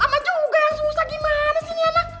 ama juga yang susah gimana sih nih anak